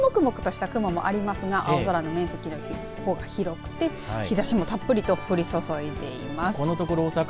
多少もくもくとした雲もありますが青空の面積のほうが広くて日ざしもたっぷりと降り注いでいます。